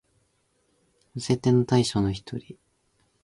寄せ手の大将の一人、土岐悪五郎